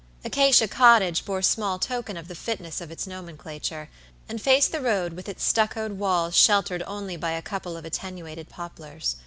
Acacia Cottage bore small token of the fitness of its nomenclature, and faced the road with its stuccoed walls sheltered only by a couple of attenuated poplars.